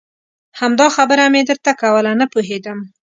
همدا خبره مې درته کوله نه پوهېدم.